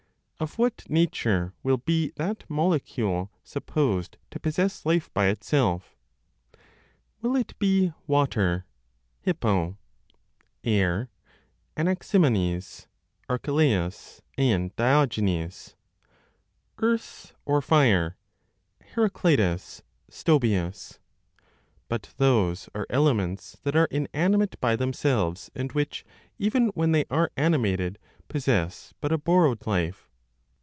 Of what nature will be that molecule supposed to possess life by itself? Will it be water (Hippo), air (Anaximenes, Archelaus, and Diogenes), earth, or fire (Heraclitus, Stobaeus?) But those are elements that are inanimate by themselves, and which, even when they are animated, possess but a borrowed life.